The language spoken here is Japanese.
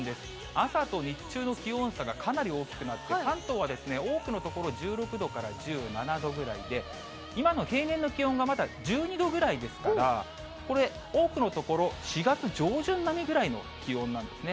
朝と日中の気温差がかなり大きくなって、関東は多くの所、１６度から１７度ぐらいで、今の平年の気温がまだ１２度ぐらいですから、これ、多くの所、４月上旬並みぐらいの気温なんですね。